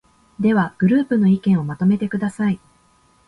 では、グループの意見をまとめてください。